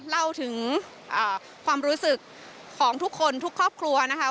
เล่าถึงความรู้สึกของทุกคนทุกครอบครัวนะคะ